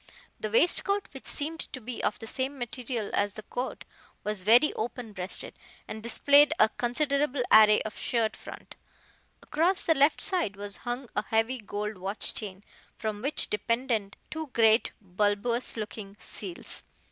The waistcoat, which seemed to be of the same material as the coat, was very open breasted, and displayed a considerable array of shirt front. Across the left side was hung a heavy gold watch chain, from which depended two great bulbous looking seals.